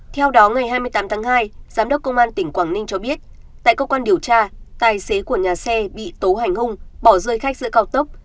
theo đó ngày hai mươi tám tháng hai giám đốc công an tỉnh quảng ninh cho biết tại cơ quan điều tra tài xế của nhà xe bị tố hành hung bỏ rơi khách giữa cao tốc